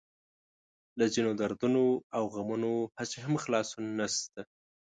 له ځينو دردونو او غمونو هسې هم خلاصون نشته.